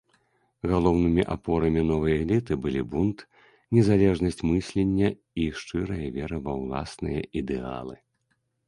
Галоўнымі апорамі новай эліты былі бунт, незалежнасць мыслення і шчырая вера ва ўласныя ідэалы.